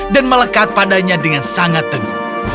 dan melekat padanya dengan sangat teguh